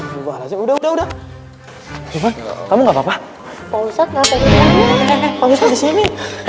lukman lukman kamu ngapain begini segini